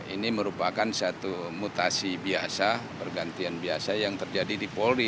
ini merupakan satu mutasi biasa pergantian biasa yang terjadi di polri